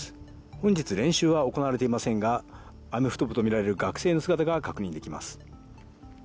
本日練習は行われていませんが、アメフト部とみられる学生の姿が確認できます。